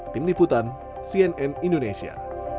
tim liputan cnn indonesia